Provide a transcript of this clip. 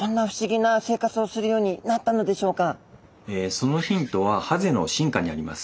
そのヒントはハゼの進化にあります。